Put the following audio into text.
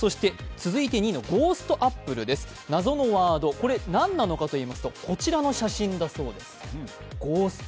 続いて２位のゴーストアップルです謎のワード、これ何なのかといいますと、こちらの写真だそうです。